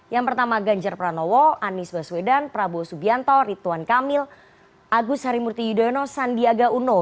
yang pertama ganjar pranowo anies baswedan prabowo subianto ritwan kamil agus harimurti yudhoyono